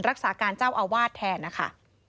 รักษาการเจ้าอาวาสแทนนะคะ